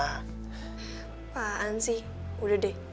apaan sih udah deh